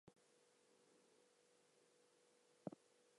It is only deep, with a thick bottom of muck.